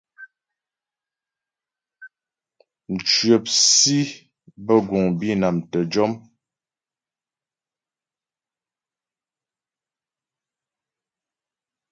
Mcwəp sǐ bə́ guŋ á Bǐnam tə́ jɔm.